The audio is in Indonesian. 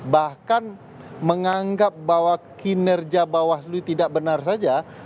bahkan menganggap bahwa kinerja bawaslu tidak benar saja